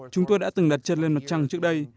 chúng tôi đã từng đặt chân lên mặt trăng trước đây